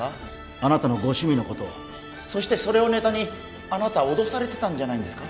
あなたのご趣味のことをそしてそれをネタにあなた脅されてたんじゃないんですか？